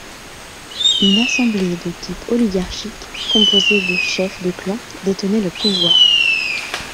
Une assemblée, de type oligarchique, composée de chefs de clans, détenait le pouvoir.